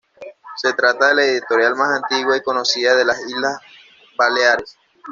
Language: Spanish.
Se trata de la editorial más antigua y conocida de las Islas Baleares.